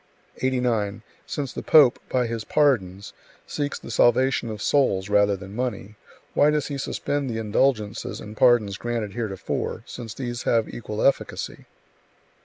89. "Since the pope, by his pardons, seeks the salvation of souls rather than money, why does he suspend the indulgences and pardons granted heretofore, since these have equal efficacy?"